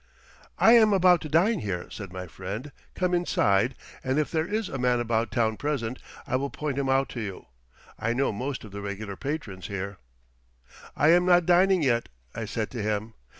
"I am about to dine here," said my friend. "Come inside, and if there is a Man About Town present I will point him out to you. I know most of the regular patrons here." "I am not dining yet," I said to him.